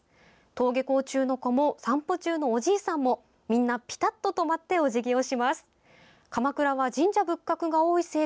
登下校中の子も散歩中のおじいさんもみんなピタッと止まっておじぎをします。